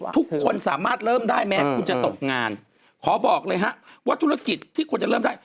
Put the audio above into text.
ทุกคนสามารถเริ่มได้แม้คุณจะตกงานขอบอกเลยฮะว่าธุรกิจที่ควรจะเริ่มได้